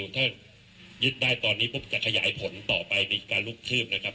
ถ้ายึดได้ตอนนี้ปุ๊บจะขยายผลต่อไปมีการลุกคืบนะครับ